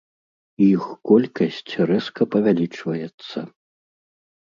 Іх колькасць рэзка павялічваецца.